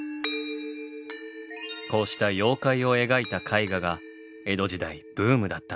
こうした妖怪を描いた絵画が江戸時代ブームだったんです。